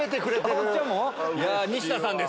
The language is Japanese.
西田さんです。